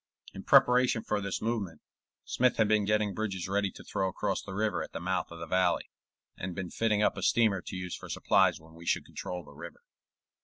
In preparation for this movement, Smith had been getting bridges ready to throw across the river at the mouth of the valley, and been fitting up a steamer to use for supplies when we should control the river.